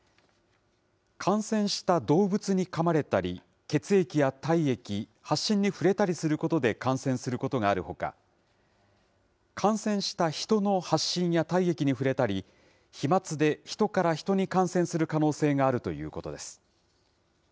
感染した動物にかまれたり、血液や体液、発疹に触れたりすることで感染することがあるほか、感染した人の発疹や体液に触れたり、飛まつでヒトからヒトに感染する可能性があるということです。